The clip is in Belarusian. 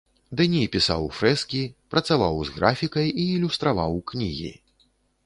Дэні пісаў фрэскі, працаваў з графікай і ілюстраваў кнігі.